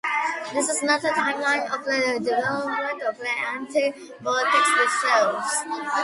This is not a timeline of the development of the antibiotics themselves.